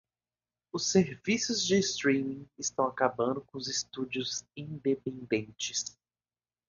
Os serviços de streaming estão acabando com os estúdios independentes.